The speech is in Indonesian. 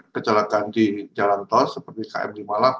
kecelakaan di jalan tos seperti km lima puluh delapan